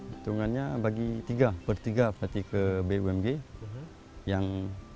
untungannya bagi tiga per tiga berarti ke bumg